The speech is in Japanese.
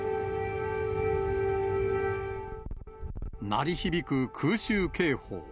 鳴り響く空襲警報。